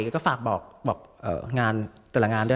ก็ฝากบอกงานแต่ละงานด้วย